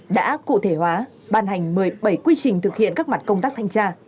đã cụ thể hóa ban hành một mươi bảy quy trình thực hiện các mặt công tác thanh tra